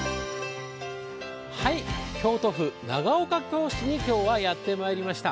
京都府長岡京市に今日はやってまいりました。